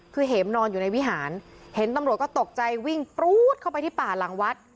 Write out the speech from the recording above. คือเห็มนอนอยู่ในวิหารเห็นตำรวจก็ตกใจวิ่งปรู๊ดเข้าไปที่ป่าหลังวัด